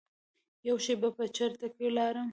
یوه شېبه په چرت کې لاړم.